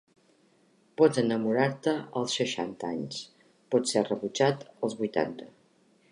Pots enamorar-te als seixanta anys; pots ser rebutjat als vuitanta.